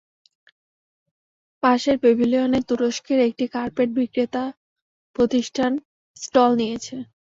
পাশের প্যাভিলিয়নে তুরস্কের একটি কার্পেট বিক্রেতা প্রতিষ্ঠান স্টল নিয়েছে।